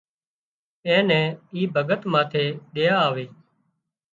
اين نين اي ڀڳت ماٿي ۮيا آوي